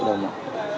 năm triệu đồng